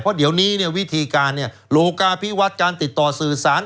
เพราะเดี๋ยวนี้เนี่ยวิธีการโลกาพิวัฒน์การติดต่อสื่อสาร